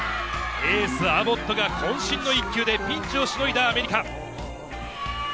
エース、アボットがこん身の１球でピンチをしのいだアメリカ。